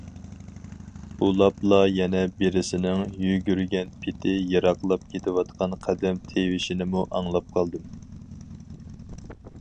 ئۇلاپلا يەنە بىرسىنىڭ يۈگۈرگەن پېتى يىراقلاپ كېتىۋاتقان قەدەم تىۋىشىنىمۇ ئاڭلاپ قالدىم.